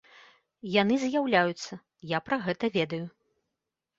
Яны з'яўляюцца, я пра гэта ведаю.